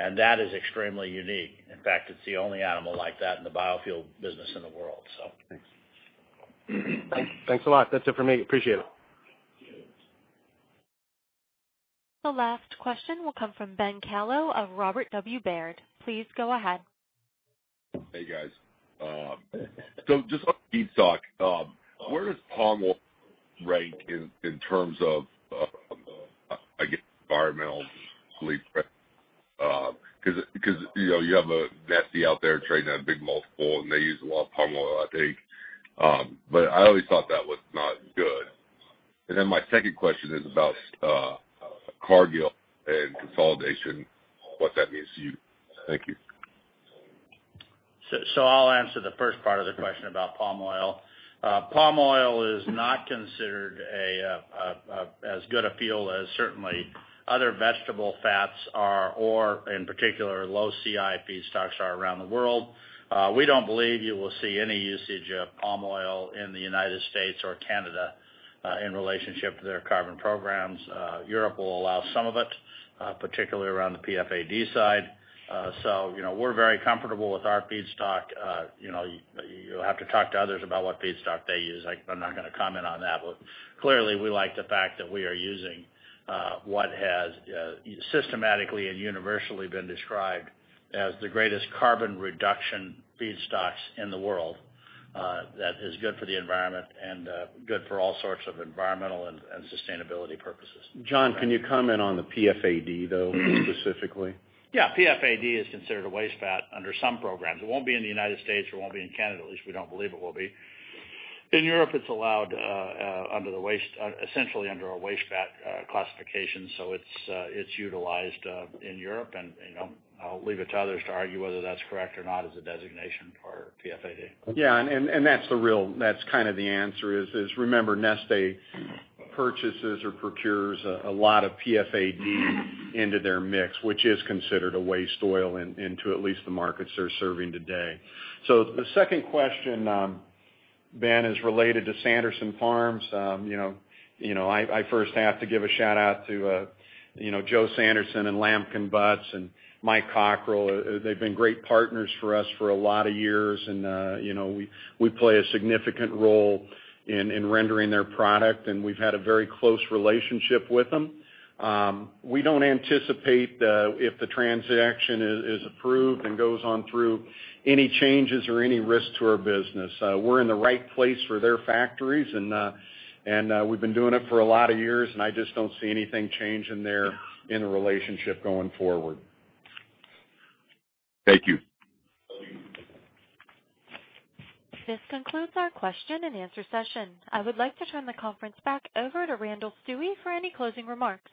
That is extremely unique. In fact, it's the only animal like that in the biofuel business in the world. Thanks. Thanks a lot. That's it for me. Appreciate it. The last question will come from Ben Kallo of Robert W. Baird. Please go ahead. Hey, guys. Just on feedstock, where does palm oil rank in terms of, I guess, environmental footprint? You have Neste out there trading at a big multiple, and they use a lot of palm oil, I think. I always thought that was not good. My second question is about Cargill and consolidation, what that means to you. Thank you. I'll answer the first part of the question about palm oil. Palm oil is not considered as good a fuel as certainly other vegetable fats are, or in particular, low CI feedstocks are around the world. We don't believe you will see any usage of palm oil in the United States or Canada, in relationship to their carbon programs. Europe will allow some of it, particularly around the PFAD side. We're very comfortable with our feedstock. You'll have to talk to others about what feedstock they use. I'm not gonna comment on that. Clearly, we like the fact that we are using what has systematically and universally been described as the greatest carbon reduction feedstocks in the world. That is good for the environment and good for all sorts of environmental and sustainability purposes. John, can you comment on the PFAD, though, specifically? PFAD is considered a waste fat under some programs. It won't be in the United States or won't be in Canada, at least we don't believe it will be. In Europe, it's allowed essentially under a waste fat classification, so it's utilized in Europe, and I'll leave it to others to argue whether that's correct or not as a designation for PFAD. Yeah, that's kind of the answer. Remember, Neste purchases or procures a lot of PFAD into their mix, which is considered a waste oil into at least the markets they're serving today. The second question, Ben, is related to Sanderson Farms. I first have to give a shout-out to Joe Sanderson and Lampkin Butts and Mike Cockrell. They've been great partners for us for a lot of years, and we play a significant role in rendering their product, and we've had a very close relationship with them. We don't anticipate, if the transaction is approved and goes on through, any changes or any risk to our business. We're in the right place for their factories, and we've been doing it for a lot of years, and I just don't see anything changing there in the relationship going forward. Thank you. This concludes our question and answer session. I would like to turn the conference back over to Randall Stuewe for any closing remarks.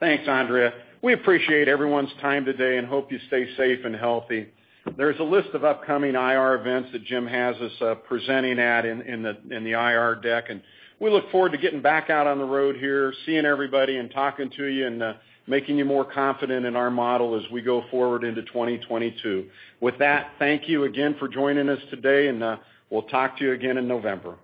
Thanks, Andrea. We appreciate everyone's time today and hope you stay safe and healthy. There's a list of upcoming IR events that Jim has us presenting at in the IR deck, and we look forward to getting back out on the road here, seeing everybody and talking to you and making you more confident in our model as we go forward into 2022. With that, thank you again for joining us today, and we'll talk to you again in November.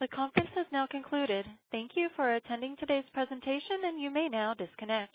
The conference has now concluded. Thank you for attending today's presentation. You may now disconnect.